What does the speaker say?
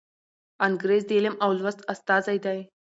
انګریز د علم او لوست استازی دی.